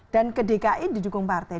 dan ke dki didukung partai